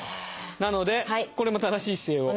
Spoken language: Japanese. なのでこれも正しい姿勢を。